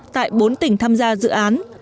tại bốn tỉnh tham gia dự án